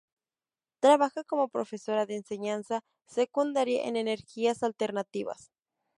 Trabaja como profesora de enseñanza secundaria en energías alternativas.